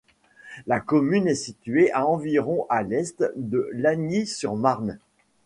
La commune est située à environ à l’est de Lagny-sur-Marne.